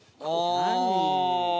ああ。